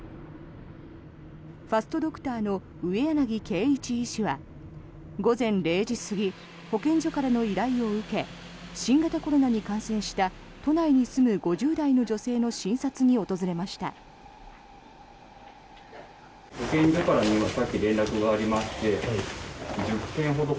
ファストドクターの上柳圭一医師は午前０時過ぎ保健所からの依頼を受け新型コロナに感染した都内に住む５０代の女性の診察に訪れました。